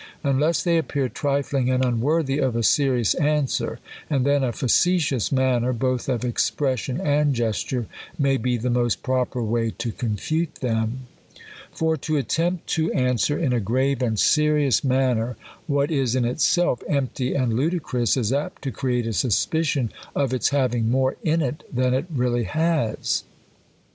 Unless they appear trifling and un worthy of a serious answer ; and then a facetious man ner, both of expression and gesture, may be the most proper way to confute them. For, to attempt to an swer, in a grave and serious manner, what is in itself empty and ludicrous, is apt to create a suspicion of its having more in it than it really has.